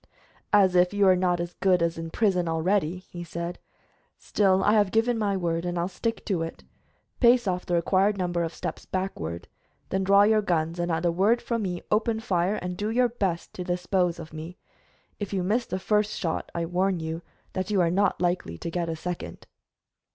"As if you are not as good as in prison already," he said. "Still, I have given my word, and I'll stick to it. Pace off the required number of steps backward, then draw your guns, and at the word from me open fire, and do your best to dispose of me. If you miss the first shot I warn you that you are not likely to get a second."